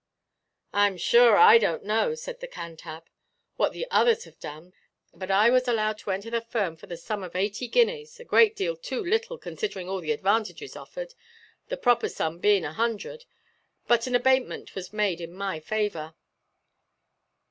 "I am sure I donʼt know," said the Cantab, "what the others have done; but I was allowed to enter the firm for the sum of eighty guineas, a great deal too little, considering all the advantages offered—the proper sum being a hundred; but an abatement was made in my favour."